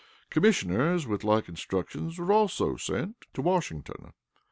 Commissioners with like instructions were also sent to Washington.